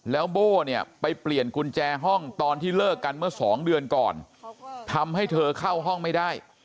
แล้วโบ้เนี่ยไปเปลี่ยนกุญแจห้องตอนที่เลิกกันเมื่อสองเดือนก่อนทำให้เธอเข้าห้องไม่ได้